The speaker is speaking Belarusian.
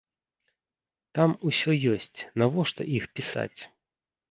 Там усё ёсць, навошта іх пісаць?!